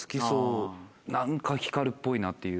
何か光っぽいなっていう。